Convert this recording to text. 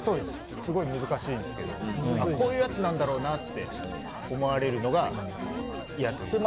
すごい難しいんですけどこういうやつなんだろうなって思われるのが嫌というか。